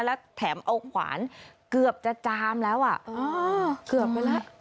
แล้วแถมเอาขวานเกือบจะจามแล้วอ่ะอ๋อเกือบไปแล้ว